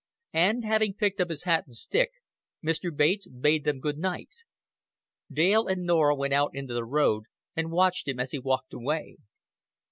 And, having picked up his hat and stick, Mr. Bates bade them good night. Dale and Norah went out into the road and watched him as he walked away.